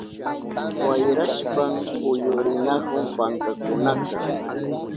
Wayrashpan kuyurinahun pankakunaka.